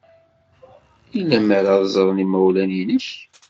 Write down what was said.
I lemmer ad ẓren yimawlan-nnek?